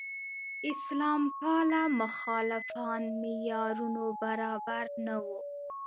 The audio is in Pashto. اسلام پاله مخالفان معیارونو برابر نه وو.